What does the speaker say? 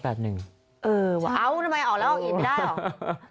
เออว่าเอาทำไมออกแล้วออกอีกได้หรอ